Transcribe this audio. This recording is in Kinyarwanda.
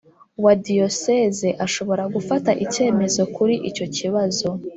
wa Diyosezi ashobora gufata icyemezo kuri icyo kibazo